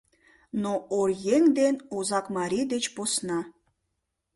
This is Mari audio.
Но оръеҥ ден озакмарий деч посна.